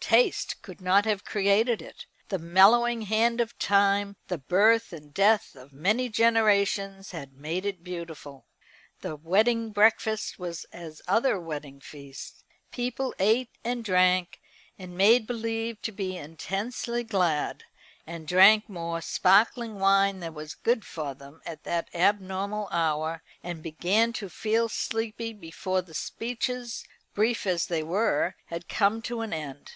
Taste could not have created it. The mellowing hand of time, the birth and death of many generations, had made it beautiful. The wedding breakfast was as other wedding feasts. People ate and drank and made believe to be intensely glad, and drank more sparkling wine than was good for them at that abnormal hour, and began to feel sleepy before the speeches, brief as they were, had come to an end.